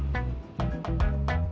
ya ini salah aku